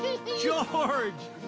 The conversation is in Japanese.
ジョージ